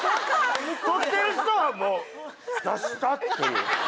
撮ってる人はもう「出した」っていう。